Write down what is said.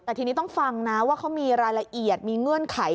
แต่ทีนี้ต้องฟังนะว่าเขามีรายละเอียดมีเงื่อนไข